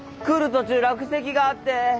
途中落石があって。